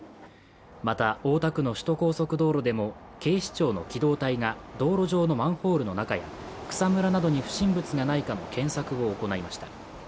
また、大田区の首都高速道路でも警視庁の機動隊が道路上のマンホールの中や草むらなどに不審物がないかの検索を行いました。